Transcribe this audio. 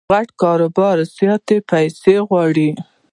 غټ کاروبار زیاتي پیسې غواړي.